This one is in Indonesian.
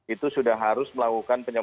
itu sudah harus melakukan penyelidikan